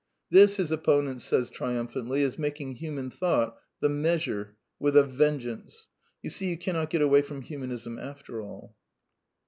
This, his opponent says triumphantly, is making human thought the measure with a vengeance. You see, you can not get away from Humanism after all.